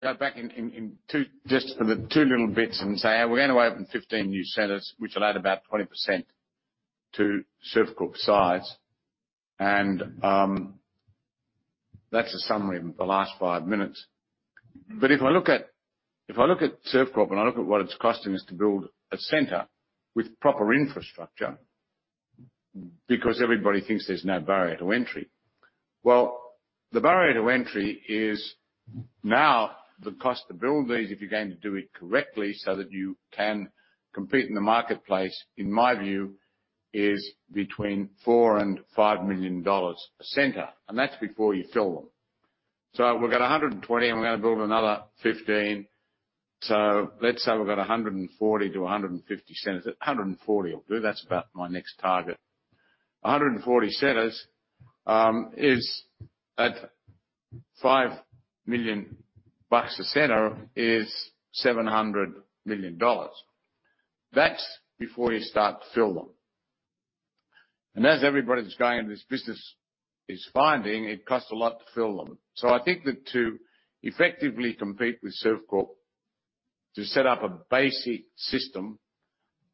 Go back in two just for the two little bits and say we're gonna open 15 new centers which will add about 20% to Servcorp size. That's a summary of the last 5 minutes. If I look at Servcorp and I look at what it's costing us to build a center with proper infrastructure, because everybody thinks there's no barrier to entry. Well, the barrier to entry is now the cost to build these, if you're going to do it correctly so that you can compete in the marketplace, in my view, is between $4 million and $5 million a center, and that's before you fill them. We've got 120, and we're gonna build another 15. Let's say we've got 140 to 150 centers. 140 will do. That's about my next target. 140 centers is at $5 million a center is $700 million. That's before you start to fill them. As everybody's going in this business is finding it costs a lot to fill them. I think that to effectively compete with Servcorp to set up a basic system,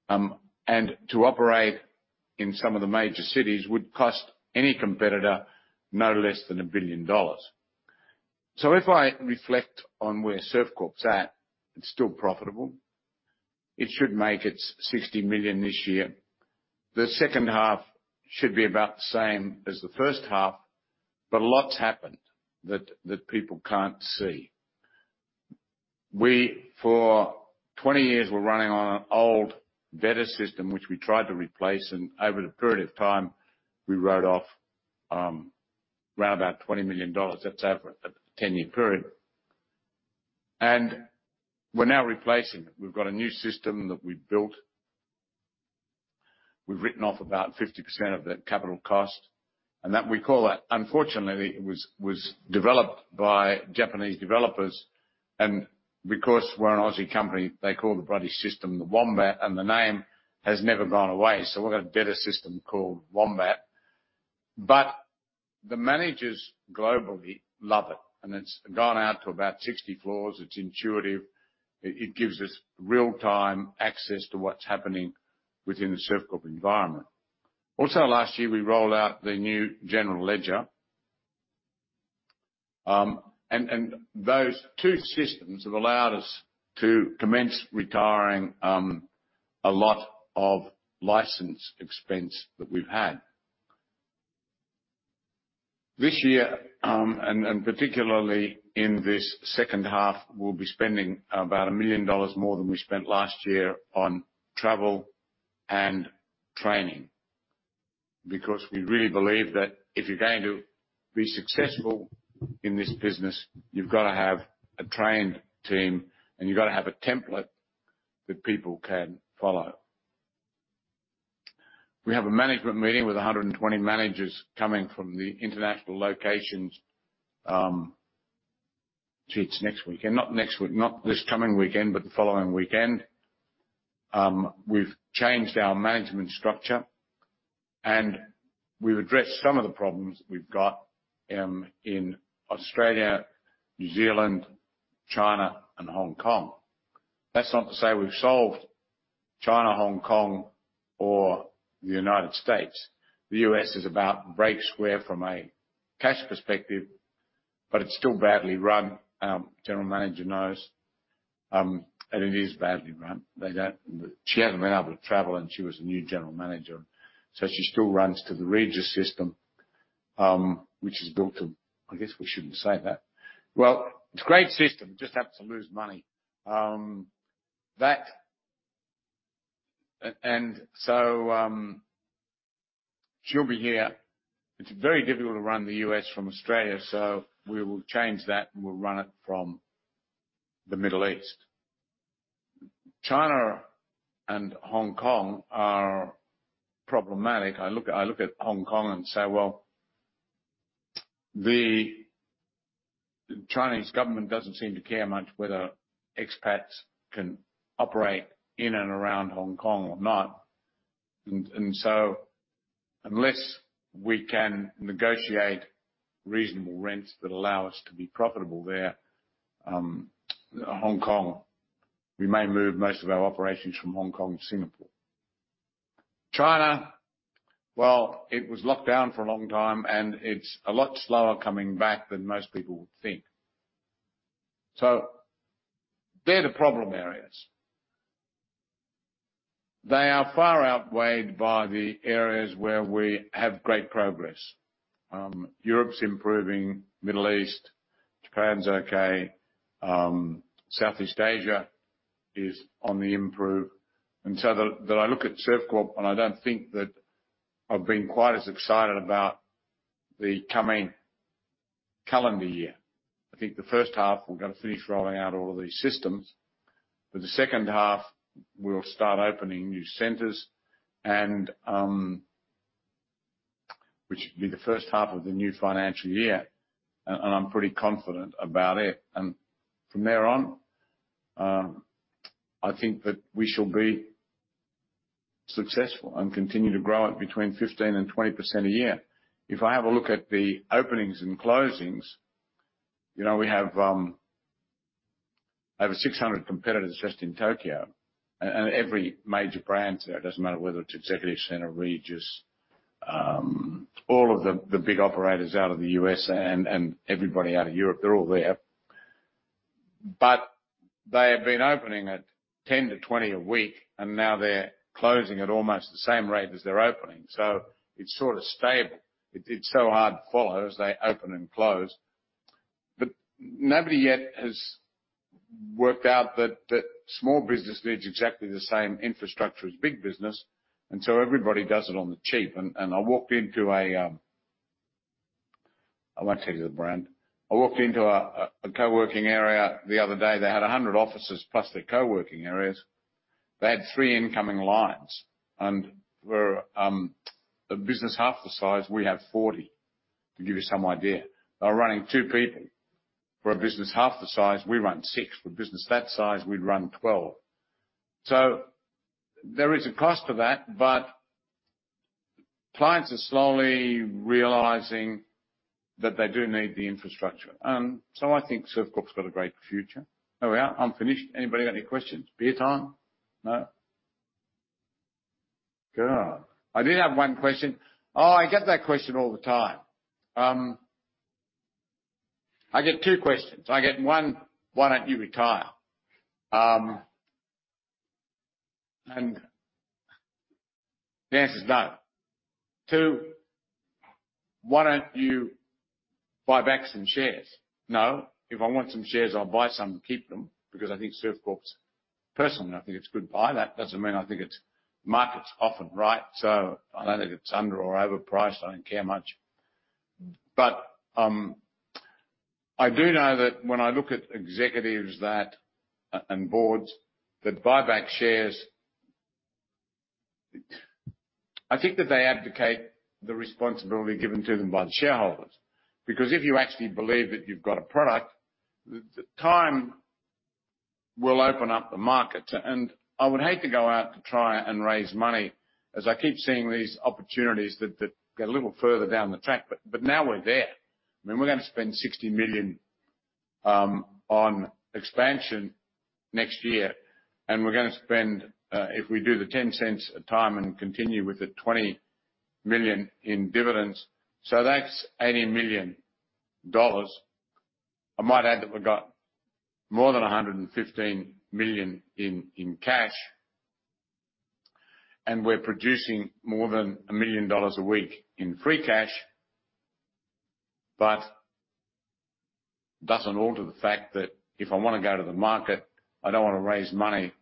and to operate in some of the major cities would cost any competitor no less than $1 billion. If I reflect on where Servcorp's at, it's still profitable. It should make its 60 million this year. The second half should be about the same as the first half, but a lot's happened that people can't see. We for 20 years were running on an old veto system, which we tried to replace, and over the period of time, we wrote off around about 20 million dollars. That's over a 10-year period. We're now replacing it. We've got a new system that we built. We've written off about 50% of that capital cost, and that we call that unfortunately, it was developed by Japanese developers. Because we're an Aussie company, they call the bloody system the Wombat, and the name has never gone away. We've got a data system called Wombat. The managers globally love it, and it's gone out to about 60 floors. It's intuitive. It gives us real time access to what's happening within the Servcorp environment. Also, last year, we rolled out the new general ledger. Those two systems have allowed us to commence retiring a lot of license expense that we've had. This year, and particularly in this second half, we'll be spending about 1 million dollars more than we spent last year on travel and training because we really believe that if you're going to be successful in this business, you've gotta have a trained team, and you've gotta have a template that people can follow. We have a management meeting with 120 managers coming from the international locations, it's next weekend. Not next week. Not this coming weekend, but the following weekend. We've changed our management structure, and we've addressed some of the problems we've got in Australia, New Zealand, China and Hong Kong. That's not to say we've solved China, Hong Kong or the United States. The U.S. is about break square from a cash perspective. It's still badly run. General manager knows, it is badly run. She hasn't been able to travel. She was a new general manager, she still runs to the Regus system, which is built to I guess we shouldn't say that. Well, it's a great system. Just happens to lose money. She'll be here. It's very difficult to run the U.S. from Australia. We will change that. We'll run it from the Middle East. China and Hong Kong are problematic. I look at Hong Kong and say, well, the Chinese government doesn't seem to care much whether expats can operate in and around Hong Kong or not. Unless we can negotiate reasonable rents that allow us to be profitable there, Hong Kong, we may move most of our operations from Hong Kong to Singapore. China, well, it was locked down for a long time, and it's a lot slower coming back than most people would think. They're the problem areas. They are far outweighed by the areas where we have great progress. Europe's improving. Middle East. Japan's okay. Southeast Asia is on the improve. That, that I look at Servcorp, and I don't think that I've been quite as excited about the coming calendar year. I think the first half we're gonna finish rolling out all of these systems. The second half we'll start opening new centers and which should be the first half of the new financial year. I'm pretty confident about it. From there on, I think that we shall be successful and continue to grow it between 15% and 20% a year. If I have a look at the openings and closings, you know, we have over 600 competitors just in Tokyo. Every major brand. It doesn't matter whether it's The Executive Centre, Regus, all of the big operators out of the U.S. and everybody out of Europe, they're all there. They have been opening at 10-20 a week, and now they're closing at almost the same rate as they're opening. It's sort of stable. It's so hard to follow as they open and close. Nobody yet has worked out that small business needs exactly the same infrastructure as big business, and so everybody does it on the cheap. I walked into a, I won't tell you the brand. I walked into a co-working area the other day. They had 100 offices plus their co-working areas. They had 3 incoming lines. We're a business half the size, we have 40, to give you some idea. They were running 2 people. For a business half the size, we run 6. For a business that size, we'd run 12. There is a cost to that, but clients are slowly realizing that they do need the infrastructure. I think Servcorp's got a great future. There we are. I'm finished. Anybody got any questions? Beer time? No. Good. I did have 1 question. I get that question all the time. I get 2 questions. I get, 1, why don't you retire? And the answer is no. 2, why don't you buy back some shares? No. If I want some shares, I'll buy some and keep them because I think Servcorp's... Personally, I think it's a good buy. That doesn't mean I think market's often right. I don't know if it's under or overpriced. I don't care much. I do know that when I look at executives that, and boards that buy back shares, I think that they advocate the responsibility given to them by the shareholders. If you actually believe that you've got a product, the time will open up the market. I would hate to go out to try and raise money as I keep seeing these opportunities that get a little further down the track. Now we're there. I mean, we're gonna spend 60 million on expansion next year, and we're gonna spend if we do the 0.10 a time and continue with the 20 million in dividends. That's 80 million dollars. I might add that we've got more than 115 million in cash. We're producing more than 1 million dollars a week in free cash. Doesn't alter the fact that if I wanna go to the market, I don't wanna raise money,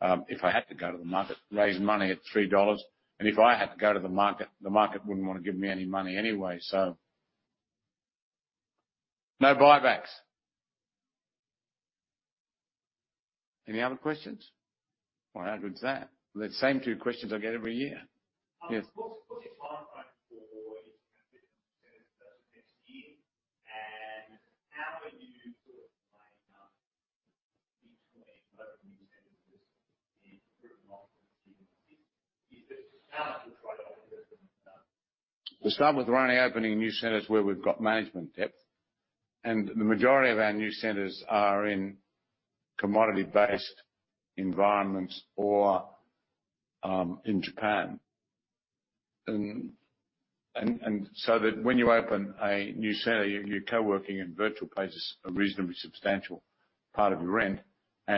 if I had to go to the market, raise money at 3 dollars. If I had to go to the market, the market wouldn't wanna give me any money anyway. No buybacks. Any other questions? Well, how good is that? They're the same 2 questions I get every year. Yes. We're only opening new centers where we've got management depth. The majority of our new centers are in commodity-based environments or in Japan. So that when you open a new center, your coworking and virtual pays a reasonably substantial part of your rent. A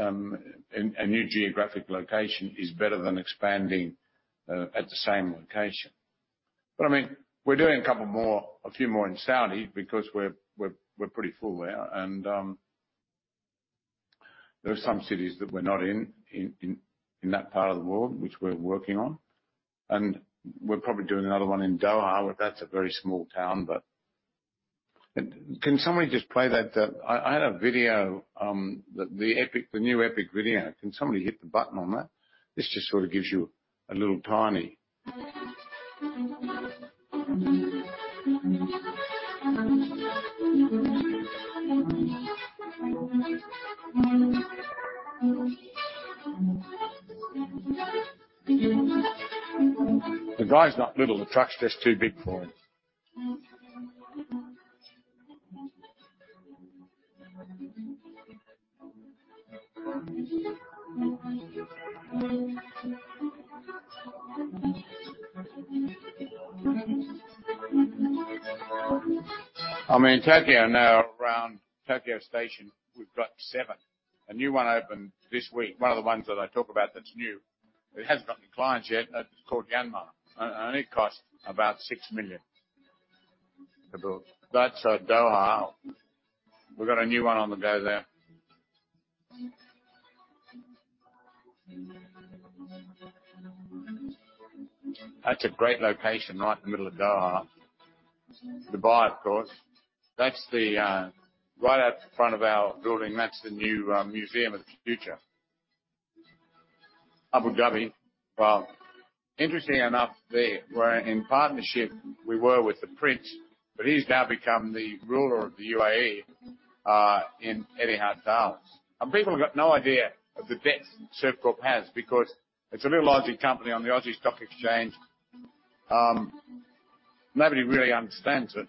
new geographic location is better than expanding at the same location. I mean, we're doing a couple more, a few more in Saudi because we're pretty full there. There are some cities that we're not in that part of the world, which we're working on. We're probably doing another one in Doha. That's a very small town, but. Can somebody just play that, I had a video, the Epic, the new Epic video. Can somebody hit the button on that? This just sort of gives you a little tiny. The guy's not little. The truck's just too big for him. I mean, Tokyo now, around Tokyo Station, we've got seven. A new one opened this week. One of the ones that I talk about that's new. It hasn't got any clients yet. That's called Yanmar. It cost about 6 million to build. That's Doha. We've got a new one on the go there. That's a great location right in the middle of Doha. Dubai, of course. That's the right out the front of our building. That's the new museum of the future. Abu Dhabi. Wow. Interestingly enough there, we're in partnership, we were with the prince, but he's now become the ruler of the UAE, in Etihad Towers. People have got no idea of the depth Servcorp has because it's a little Aussie company on the Aussie Stock Exchange. Nobody really understands it.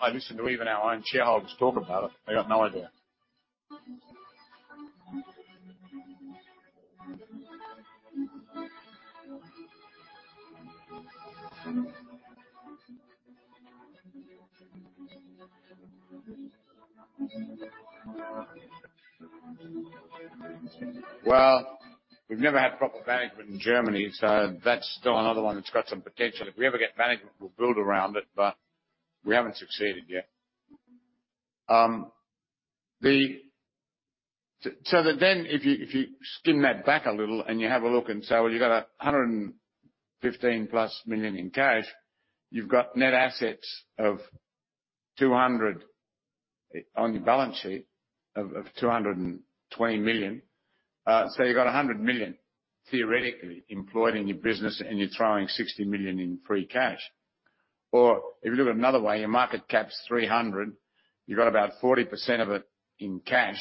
I listen to even our own shareholders talk about it. They got no idea. We've never had proper management in Germany, that's still another one that's got some potential. If we ever get management, we'll build around it, we haven't succeeded yet. So if you skim that back a little and you have a look and say, you got 115+ million in cash, you've got net assets of 220 million on your balance sheet. You've got 100 million theoretically employed in your business, and you're throwing 60 million in free cash. If you look at it another way, your market cap's 300 million. You got about 40% of it in cash.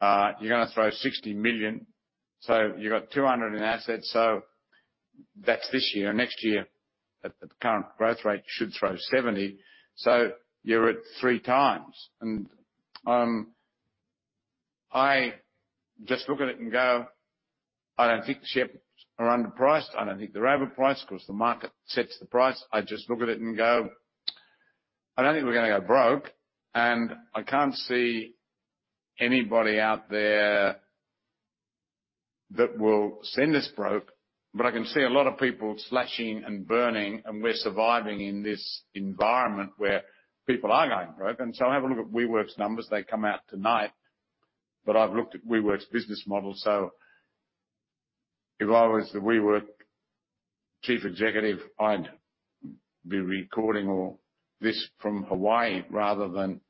You're gonna throw 60 million, you got 200 million in assets. That's this year. Next year, at the current growth rate, you should throw 70 million. You're at 3x. I just look at it and go, "I don't think the shares are underpriced. I don't think they're overpriced 'cause the market sets the price." I just look at it and go, "I don't think we're gonna go broke." I can't see anybody out there that will send us broke, but I can see a lot of people slashing and burning, and we're surviving in this environment where people are going broke. I have a look at WeWork's numbers. They come out tonight. I've looked at WeWork's business model, so if I was the WeWork chief executive, I'd be recording all this from Hawaii rather than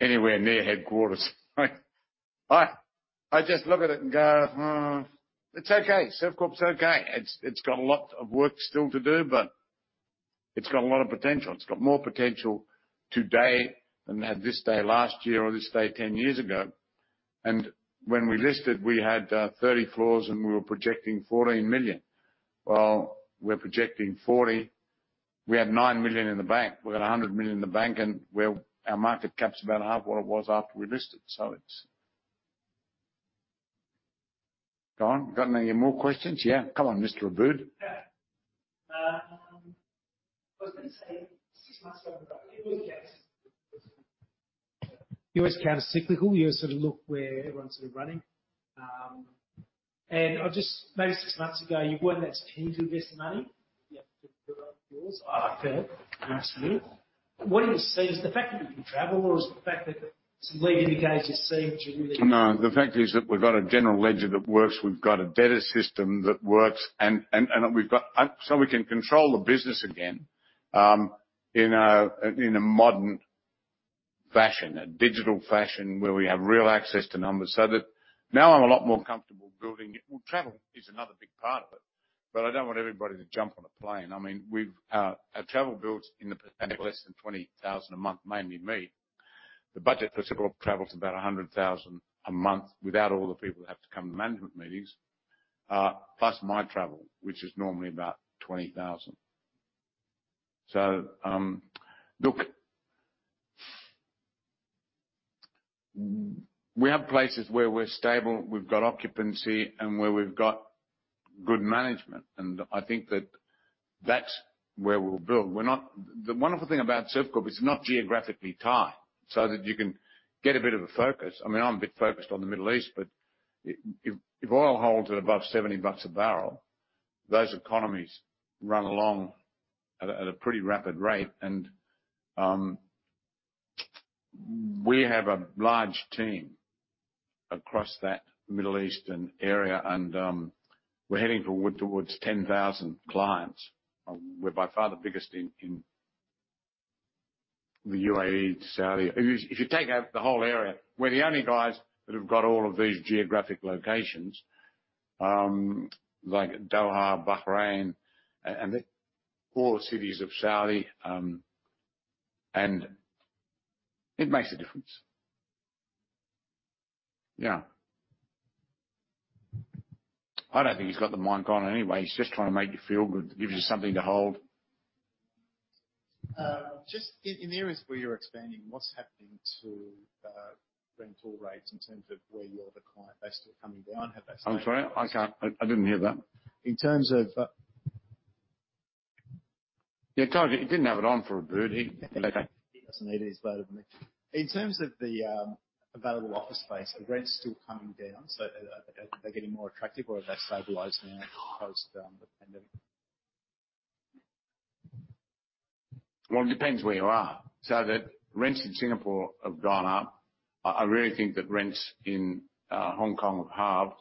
anywhere near headquarters. I just look at it and go, "Hmm, it's okay. Servcorp's okay." It's got a lot of work still to do, but it's got a lot of potential. It's got more potential today than it had this day last year or this day 10 years ago. When we listed, we had 30 floors, and we were projecting 14 million. We're projecting 40 million. We had 9 million in the bank. We've got 100 million in the bank, and our market cap's about half what it was after we listed. It's. Go on. Got any more questions? Yeah. Come on, Mr. Broody Yeah. I was gonna say six months ago, it was a case. You were as countercyclical. You would sort of look where everyone's sort of running. Maybe six months ago, you wouldn't necessarily have invested money. Yeah. To build yours. I like that. Lastly, what do you see? Is the fact that people can travel or is the fact that some lead indicators you're seeing which are really? No. The fact is that we've got a general ledger that works. We've got a debtor system that works. We can control the business again, in a modern fashion, a digital fashion where we have real access to numbers, so that now I'm a lot more comfortable building it. Well, travel is another big part of it, but I don't want everybody to jump on a plane. I mean, we've our travel bills in the pandemic less than 20,000 a month, mainly me. The budget for Servcorp travel is about 100,000 a month without all the people that have to come to management meetings, plus my travel, which is normally about 20,000. Look, we have places where we're stable, we've got occupancy, and where we've got good management, and I think that that's where we'll build. The wonderful thing about Servcorp, it's not geographically tied, so that you can get a bit of a focus. I mean, I'm a bit focused on the Middle East, but if oil holds at above 70 bucks a barrel, those economies run along at a pretty rapid rate. We have a large team across that Middle Eastern area, and we're heading towards 10,000 clients. We're by far the biggest in the UAE, Saudi. If you take out the whole area, we're the only guys that have got all of these geographic locations, like Doha, Bahrain, and the core cities of Saudi. It makes a difference. Yeah. I don't think he's got the mic on anyway. He's just trying to make you feel good, to give you something to hold. Just in the areas where you're expanding, what's happening to rental rates in terms of where you are the client? Are they still coming down? Have they stabilized? I'm sorry. I didn't hear that. In terms of. Yeah. Tell you, he didn't have it on for broody He doesn't need it. He's louder than me. In terms of the available office space, are rents still coming down? Are they getting more attractive or have they stabilized now post the pandemic? It depends where you are. The rents in Singapore have gone up. I really think that rents in Hong Kong have halved.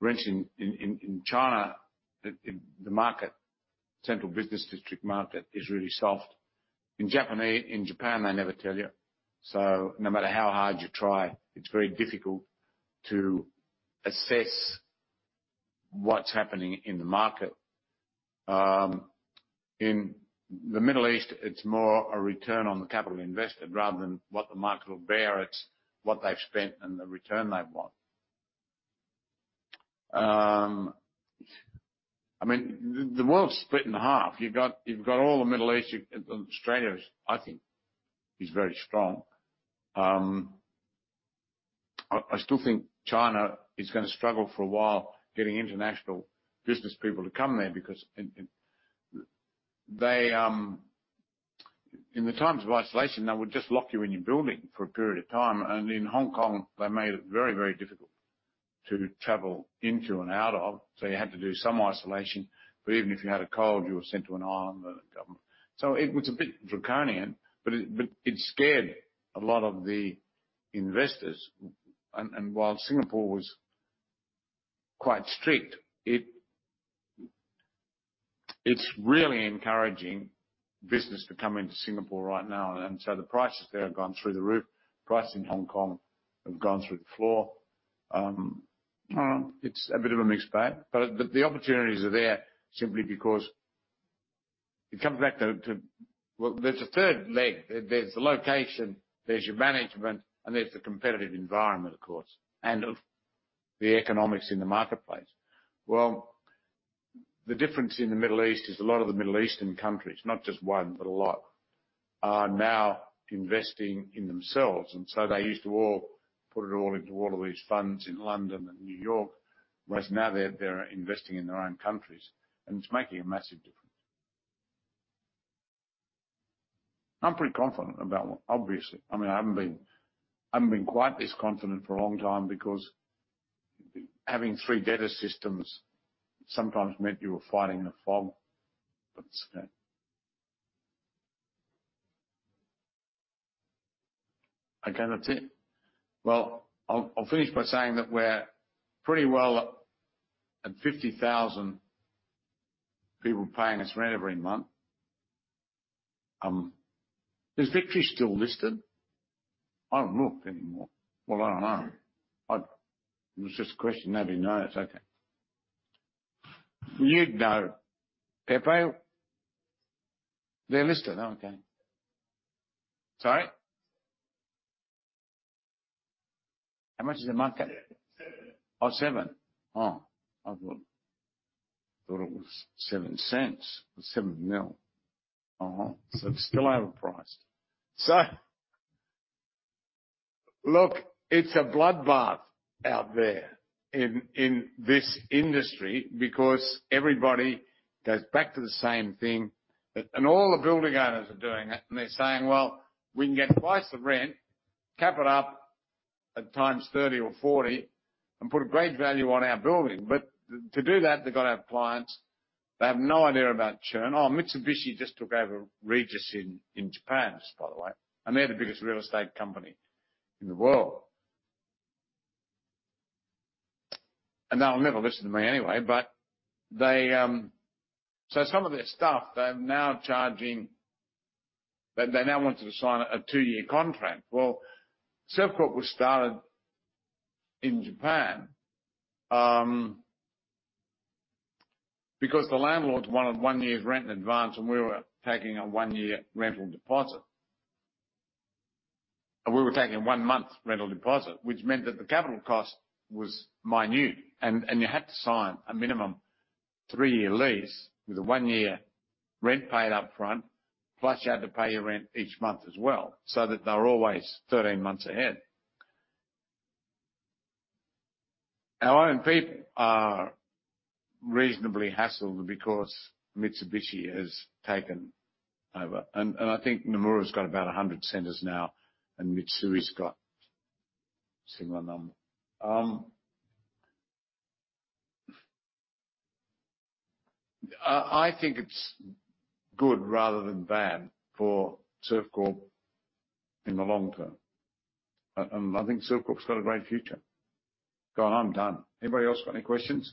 Rents in China, the market central business district market is really soft. In Japan, they never tell you. No matter how hard you try, it's very difficult to assess what's happening in the market. In the Middle East, it's more a return on the capital invested rather than what the market will bear. It's what they've spent and the return they want. I mean, the world's split in half. You've got all the Middle East. Australia, I think, is very strong. I still think China is gonna struggle for a while getting international business people to come there because. They, in the times of isolation, they would just lock you in your building for a period of time. In Hong Kong, they made it very, very difficult to travel into and out of, so you had to do some isolation. Even if you had a cold, you were sent to an island by the government. It was a bit draconian, but it scared a lot of the investors. While Singapore was quite strict, it's really encouraging business to come into Singapore right now. The prices there have gone through the roof. Prices in Hong Kong have gone through the floor. It's a bit of a mixed bag, but the opportunities are there simply because it comes back to. Well, there's a third leg. There's the location, there's your management, and there's the competitive environment, of course, and of the economics in the marketplace. Well, the difference in the Middle East is a lot of the Middle Eastern countries, not just one, but a lot, are now investing in themselves. They used to all put it all into all of these funds in London and New York. Now they're investing in their own countries, and it's making a massive difference. I'm pretty confident about what. Obviously, I mean, I haven't been quite this confident for a long time because having three data systems sometimes meant you were fighting a fog. It's. Again, that's it. Well, I'll finish by saying that we're pretty well at 50,000 people paying us rent every month. Is Victory still listed? I don't look anymore. Well, I don't know. It was just a question. Maybe you know it. It's okay. You'd know. Pepe? They're listed. Okay. Sorry? How much is the market? Seven. Seven. I thought it was AUD 0.07. It's 7 million. It's still overpriced. Look, it's a bloodbath out there in this industry because everybody goes back to the same thing. All the building owners are doing it, and they're saying, "Well, we can get twice the rent, cap it up at 30 or 40 times and put a great value on our building." To do that, they've gotta have clients. They have no idea about churn. Mitsubishi just took over Regus in Japan, by the way, and they're the biggest real estate company in the world. They'll never listen to me anyway, but they Some of their staff, they're now charging, they now wanted to sign a two-year contract. Servcorp was started in Japan because the landlords wanted 1 year's rent in advance, and we were taking a 1-year rental deposit. We were taking a 1-month rental deposit, which meant that the capital cost was minute, and you had to sign a minimum 3-year lease with a 1-year rent paid up front. Plus you had to pay your rent each month as well, so that they're always 13 months ahead. Our own people are reasonably hassled because Mitsubishi has taken over. I think Nomura's got about 100 centers now, and Mitsui's got similar number. I think it's good rather than bad for Servcorp in the long term. I think Servcorp's got a great future. Go on. I'm done. Anybody else got any questions?